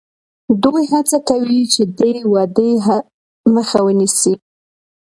دوی هڅه کوي چې د دې ودې مخه ونیسي.